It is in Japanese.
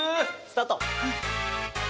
スタート。